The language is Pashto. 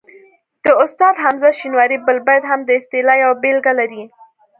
د استاد حمزه شینواري بل بیت هم د اصطلاح یوه بېلګه لري